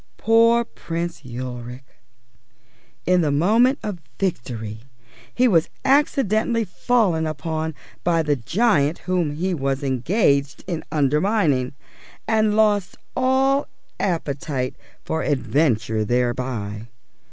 Poor Prince Ulric! In the moment of victory he was accidentally fallen upon by the giant whom he was engaged in undermining, and lost all appetite for adventure thereby.